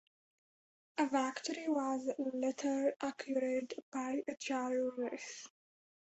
The factory was later acquired by Chrysler.